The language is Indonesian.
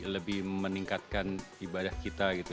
lebih meningkatkan ibadah kita gitu